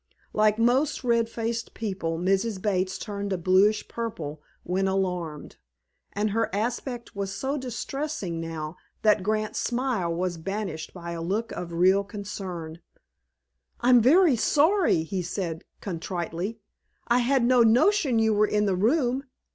Like most red faced people, Mrs. Bates turned a bluish purple when alarmed, and her aspect was so distressing now that Grant's smile was banished by a look of real concern. "I'm very sorry," he said contritely. "I had no notion you were in the room.